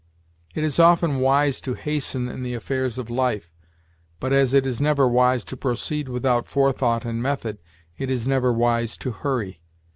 It is often wise to hasten in the affairs of life; but, as it is never wise to proceed without forethought and method, it is never wise to hurry.